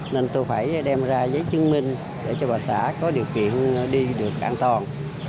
nên tôi phải đem ra giấy chứng minh để cho bà xã có điều kiện đi được an toàn